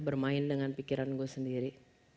bermain dengan pikiran gue sendiri